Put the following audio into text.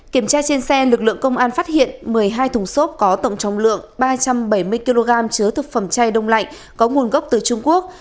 kiểm tra trên xe lực lượng công an phát hiện một mươi hai thùng xốp có tổng trọng lượng ba trăm bảy mươi kg chứa thực phẩm chay đông lạnh có nguồn gốc từ trung quốc